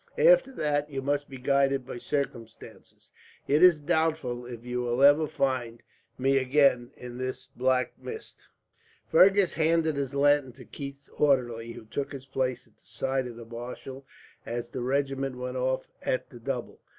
After that, you must be guided by circumstances. It is doubtful if you will ever find me again, in this black mist." Fergus handed his lantern to Keith's orderly, who took his place at the side of the marshal as the regiment went off at the double.